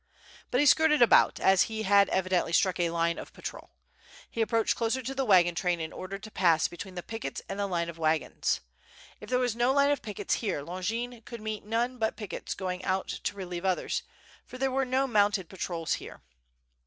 But he skirted about, as he had evidently struck a line of patrol; he approached closer to the wagon train in order to pass between the pickets and the line of wagons. If there was no line of pickets here Longin could meet none but pickets going out to relieve others, for there were no mounted patrols here.